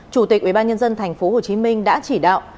chủ tịch ubnd tp hcm đã chỉ đạo